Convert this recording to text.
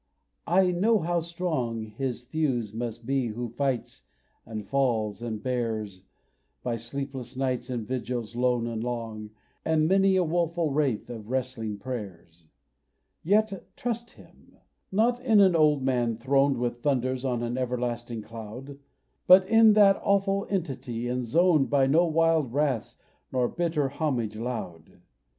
I know how strong His thews must be who fights and falls and bears, By sleepless nights and vigils lone and long, And many a woeful wraith of wrestling prayers. Yet trust in Him! Not in an old man throned With thunders on an everlasting cloud, But in that awful Entity enzoned By no wild wraths nor bitter homage loud.